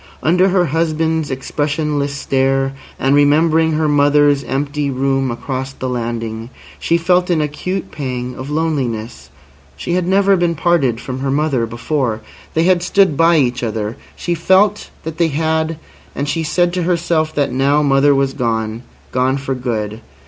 Under her husband's expressionless stare, and remembering her mother's empty room across the landing, she felt an acute pang of loneliness. She had never been parted from her mother before. They had stood by each other. She felt that they had, and she said to herself that now mother was gone—gone for good.